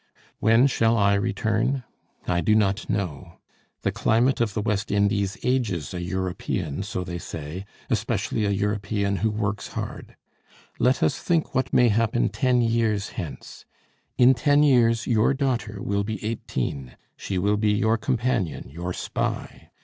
When shall I return? I do not know. The climate of the West Indies ages a European, so they say; especially a European who works hard. Let us think what may happen ten years hence. In ten years your daughter will be eighteen; she will be your companion, your spy.